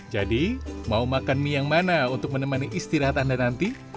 jadi mau makan mie yang mana untuk menemani istirahat anda nanti